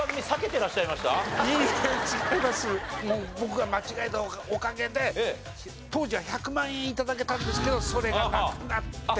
僕が間違えたおかげで当時は１００万円頂けたんですけどそれがなくなって。